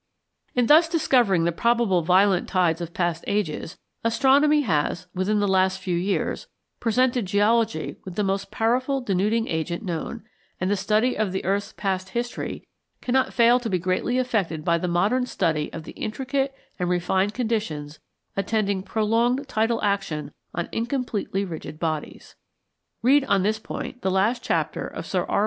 ] In thus discovering the probable violent tides of past ages, astronomy has, within the last few years, presented geology with the most powerful denuding agent known; and the study of the earth's past history cannot fail to be greatly affected by the modern study of the intricate and refined conditions attending prolonged tidal action on incompletely rigid bodies. [Read on this point the last chapter of Sir R.